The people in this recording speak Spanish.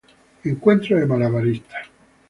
Encuentro de malabaristas